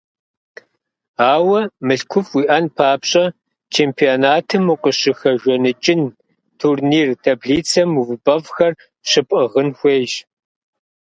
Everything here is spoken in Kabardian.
Ауэ мылъкуфӀ уиӀэн папщӀэ, чемпионатым укъыщыхэжаныкӀын, турнир таблицэм увыпӀэфӀхэр щыпӀыгъын хуейщ.